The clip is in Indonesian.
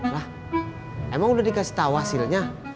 lah emang udah dikasih tahu hasilnya